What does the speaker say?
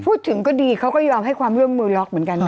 พูดถึงก็ดีเขาก็ยอมให้ความร่วมมือล็อกเหมือนกัน